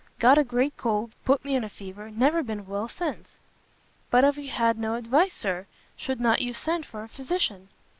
Got a great cold; put me in a fever; never been well since." "But have you had no advice, Sir? Should not you send for a physician?"